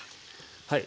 はい。